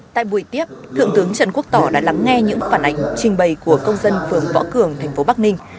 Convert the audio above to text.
tại buổi tiếp thượng tướng trần quốc tỏ đã lắng nghe những phản ảnh trình bày của công dân phường võ cường thành phố bắc ninh